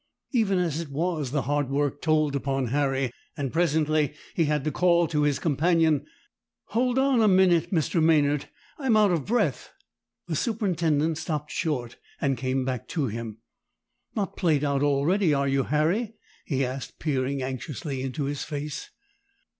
Even as it was, the hard work told upon Harry, and presently he had to call to his companion,— "Hold on a minute, Mr. Maynard; I'm out of breath." The superintendent stopped short and came back to him. "Not played out already, are you, Harry?" he asked, peering anxiously into his face.